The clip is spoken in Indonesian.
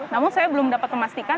namun saya belum dapat memastikan